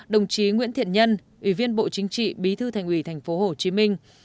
một mươi sáu đồng chí nguyễn thiện nhân ủy viên bộ chính trị bí thư thành ủy tp hcm